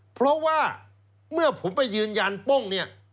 เพราะว่าเมื่อผมไปยืนยันป้งเนี่ย